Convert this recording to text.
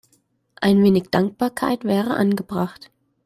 Ein wenig Dankbarkeit wäre angebracht.